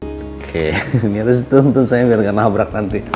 oke ini harus tuntun saya biar gak nabrak nanti